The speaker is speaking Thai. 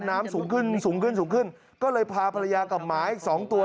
น้ำสูงขึ้นสูงขึ้นสูงขึ้นก็เลยพาภรรยากับหมาอีกสองตัว